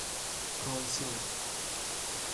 کنسول